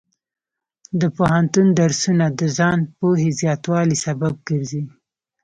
د پوهنتون درسونه د ځان پوهې زیاتوالي سبب ګرځي.